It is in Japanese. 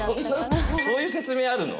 そういう説明あるの？